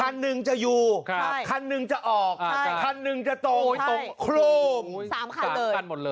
คัณึงจะอยู่คัณึงจะออกคัณึงจะตรง